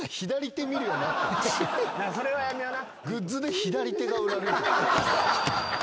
それはやめような。